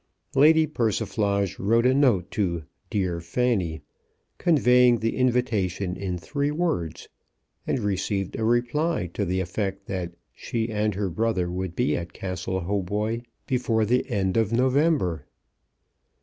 Lady Persiflage wrote a note to "Dear Fanny," conveying the invitation in three words, and received a reply to the effect that she and her brother would be at Castle Hautboy before the end of November.